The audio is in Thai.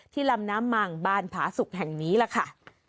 ลำน้ำมังบ้านผาสุกแห่งนี้ล่ะค่ะ